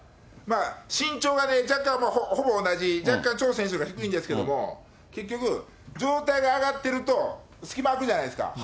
身長がね、若干、ほぼ同じ、若干チョ選手が低いんですけれども、結局、状態が上がっていると、隙間空くじゃないですか。